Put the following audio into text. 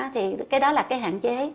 thì cái đó là cái hạn chế